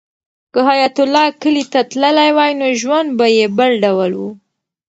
که حیات الله کلي ته تللی وای نو ژوند به یې بل ډول و.